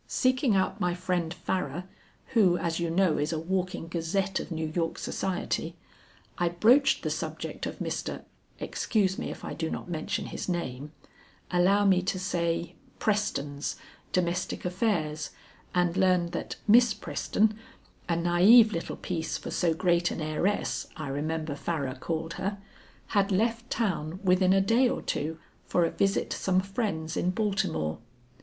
Seeking out my friend Farrar, who as you know is a walking gazette of New York society, I broached the subject of Mr. excuse me if I do not mention his name; allow me to say, Preston's domestic affairs, and learned that Miss Preston, "A naive little piece for so great an heiress," I remember Farrar called her, had left town within a day or two for a visit to some friends in Baltimore.